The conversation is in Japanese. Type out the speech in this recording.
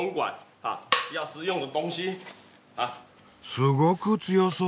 すごく強そう！